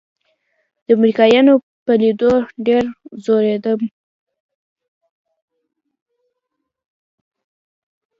د امريکايانو په ليدو ډېر ځورېدم.